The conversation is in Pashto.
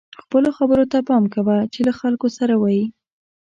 خپلو خبرو ته پام کوه چې له خلکو سره وئ.